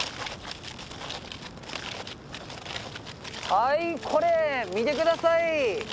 はいこれ見て下さい。